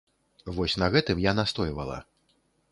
Вось на гэтым я настойвала.